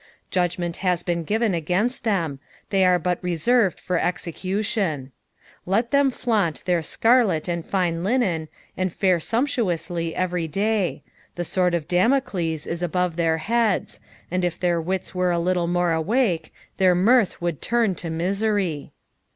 Judgment has becD given against them, they are but reserved for execution. Let them flaunt their scarlet and fine linen, and fare sumptuously every day ; the sword of Damocles is above their heads, and if their wits n ere a little more awake, their mirth would turn to misery.